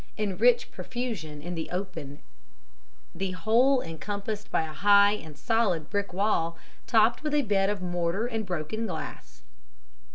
in rich profusion in the open, the whole encompassed by a high and solid brick wall, topped with a bed of mortar and broken glass.